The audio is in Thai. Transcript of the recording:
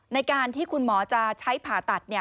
ในการที่คุณหมอจะใช้ผ่าตัด